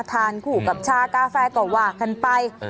ทานคู่กับชากาแฟก็ว่ากันไป